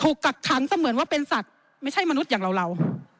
กักขังเสมือนว่าเป็นสัตว์ไม่ใช่มนุษย์อย่างเรา